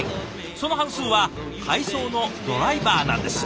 その半数は配送のドライバーなんです。